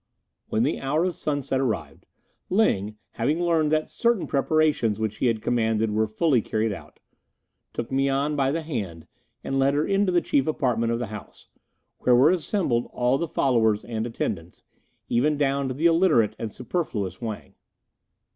When the hour of sunset arrived, Ling, having learned that certain preparations which he had commanded were fully carried out, took Mian by the hand and led her into the chief apartment of the house, where were assembled all the followers and attendants, even down to the illiterate and superfluous Wang.